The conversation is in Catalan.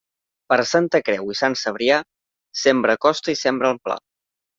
Per Santa Creu i Sant Cebrià, sembra a costa i sembra en pla.